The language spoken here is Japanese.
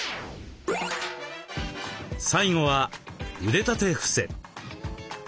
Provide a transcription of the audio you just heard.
最後は腕立てふせ。